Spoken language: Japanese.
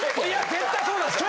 絶対そうなんですよ。